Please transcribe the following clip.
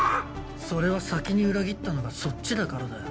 それは先に裏切ったのがそっちだからだよ